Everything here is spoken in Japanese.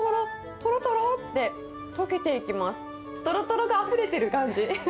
とろとろがあふれてる感じ。